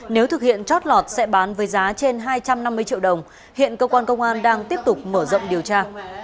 nếu thực hiện chót lọt sẽ bán với giá trên hai trăm năm mươi triệu đồng hiện cơ quan công an đang tiếp tục mở rộng điều tra